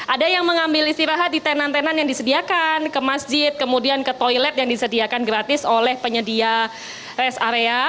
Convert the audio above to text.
ada yang mengambil istirahat di tenan tenan yang disediakan ke masjid kemudian ke toilet yang disediakan gratis oleh penyedia rest area